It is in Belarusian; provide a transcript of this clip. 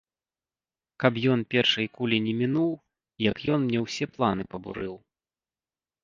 Каб ён першай кулі не мінуў, як ён мне ўсе планы пабурыў.